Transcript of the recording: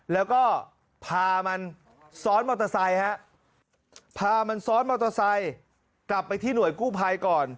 แล้วก็พามันซ้อนมอเตอร์ไซค์ฮะพามันซ้อนมอเตอร์ไซค์กลับไปที่หน่วยกู้ภัยก่อน